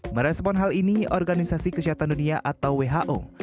merespon hal ini organisasi kesehatan dunia atau who